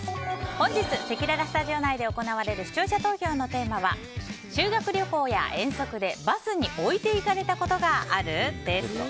本日、せきららスタジオ内で行われる視聴者投票のテーマは修学旅行や遠足で、バスに置いていかれたことがある？です。